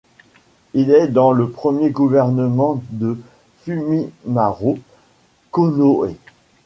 Il est dans le premier gouvernement de Fumimaro Konoe.